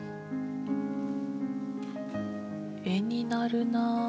絵になるな。